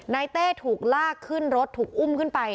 เต้ถูกลากขึ้นรถถูกอุ้มขึ้นไป